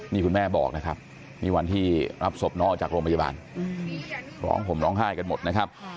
นี่คุณแม่บอกนะครับนี่วันที่รับศพน้องออกจากโรงพยาบาลร้องห่มร้องไห้กันหมดนะครับ